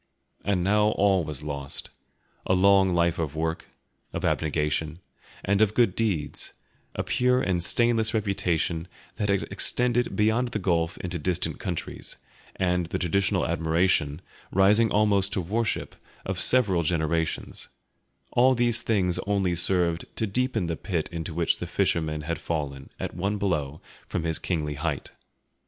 And now all was lost: a long life of work, of abnegation, and of good deeds, a pure and stainless reputation that had extended beyond the gulf into distant countries, and the traditional admiration, rising almost to worship, of several generations; all these things only served to deepen the pit into which the fisherman had fallen, at one blow, from his kingly height.